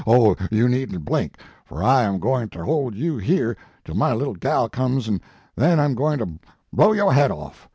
Oh, you needn t blink, fur I am goin ter hold you here till my little gal comes an then I m goin to blow yo head off.